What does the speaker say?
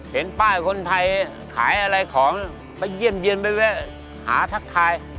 เห็นป้ายคนไทยขายอะไรของไปเยี่ยมเยี่ยนไปแวะหาทักทาย